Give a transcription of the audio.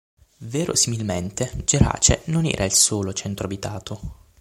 Verosimilmente, Gerace non era il solo centro abitato.